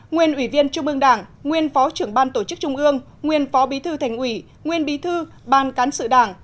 nguyên ủy viên trung ương đảng nguyên phó trưởng ban tổ chức trung ương nguyên phó bí thư thành ủy nguyên bí thư ban cán sự đảng